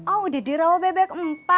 oh udah di rawo bebek empat